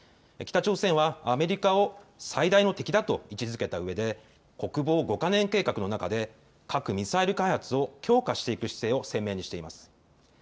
北朝鮮はアメリカを最大の敵だと位置づけたうえで国防５か年計画の中で核・ミサイル開発を強化していく姿勢を鮮明にしています。